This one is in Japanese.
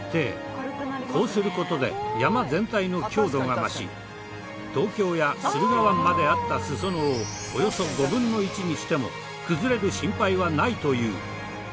こうする事で山全体の強度が増し東京や駿河湾まであった裾野をおよそ５分の１にしても崩れる心配はないという。